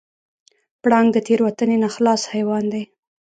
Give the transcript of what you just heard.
پړانګ د تېروتنې نه خلاص حیوان دی.